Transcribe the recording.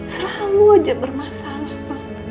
selalu aja bermasalah pa